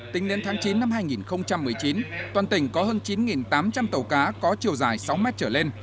tính đến tháng chín năm hai nghìn một mươi chín toàn tỉnh có hơn chín tám trăm linh tàu cá có chiều dài sáu mét trở lên